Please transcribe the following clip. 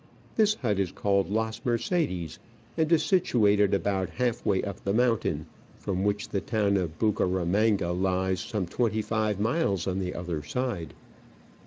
This hut is called Las Mercedes, and is situated about half way up the mountain, from which the town of Bucaramanga lies some twenty five miles on the other side.